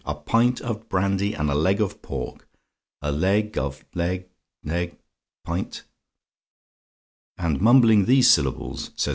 A pint of brandy and a leg of pork. A leg of leg leg pint " "And mumbling the syllables," says Mr. Caudle's MS.